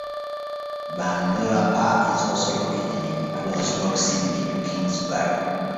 Bundoora Park is also located in close proximity to Kingsbury.